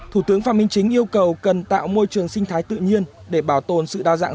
thủ tướng phạm minh chính yêu cầu cần tạo môi trường sinh thái tự nhiên để bảo tồn sự đa dạng